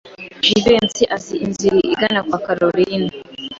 Jivency azi inzira igana kwa Kalorina.